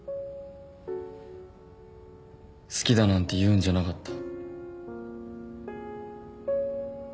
好きだなんて言うんじゃなかった。